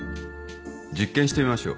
実験してみましょう。